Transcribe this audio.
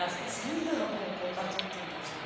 全部の方向からとってんだじゃあ。